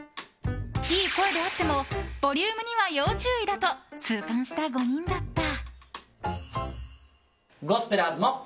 いい声であってもボリュームには要注意だと痛感した５人だった。